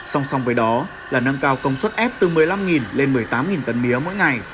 song song với đó là nâng cao công suất ép từ một mươi năm lên một mươi tám tấn mía mỗi ngày